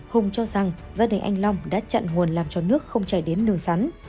hùng cho rằng gia đình anh long đã chặn nguồn làm cho nước không chạy đến nương sắn